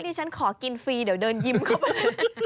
ฉันขอกินฟรีเดี๋ยวเดินยิ้มเข้าไปเลย